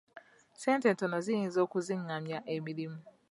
Ssente entono ziyinza okizingamya emirimu.